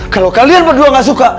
kalau kalian berdua gak suka